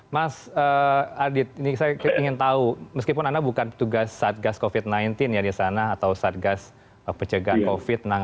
mas adit ini saya ingin tahu meskipun anda bukan petugas satgas covid sembilan belas ya di sana atau satgas pencegahan covid sembilan belas